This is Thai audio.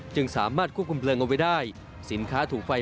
จึงสามารถควบคุมเพลิงเอาไว้ได้สินค้าถูกไฟ